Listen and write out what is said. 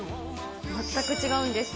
全く違うんです。